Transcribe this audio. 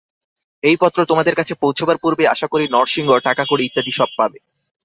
এই পত্র তোমার কাছে পৌঁছবার পূর্বেই আশা করি নরসিংহ টাকাকড়ি ইত্যাদি সব পাবে।